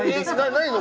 ないの？